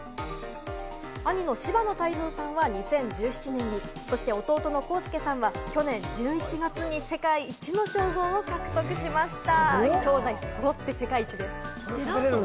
兄の柴野大造さんは２０１７年に、そして弟の幸介さんは去年１１月に世界一の称号と獲得しました。